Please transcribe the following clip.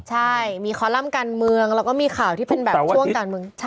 ใช่มีคอลัมป์การเมืองแล้วก็มีข่าวที่เป็นแบบช่วงการเมือง